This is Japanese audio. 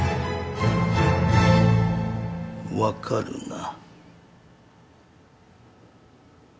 分かるな？